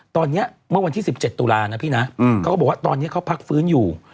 ตอนนี้เมื่อวันที่๑๗ตุลานะพี่นะเขาก็บอกว่าตอนนี้เขาพักฟื้นอยู่